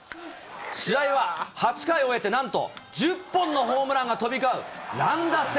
試合は８回終えて、なんと１０本のホームランが飛び交う乱打戦。